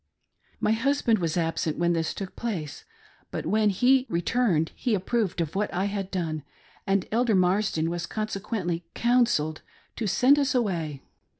I63 My husband was absent when this took place ; but when he returned he approved of what I had done, and Elder Marsden was consequently "counselled" to send us away.